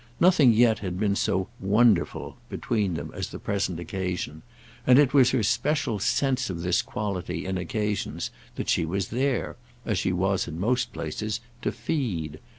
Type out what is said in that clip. Nothing yet had been so "wonderful" between them as the present occasion; and it was her special sense of this quality in occasions that she was there, as she was in most places, to feed.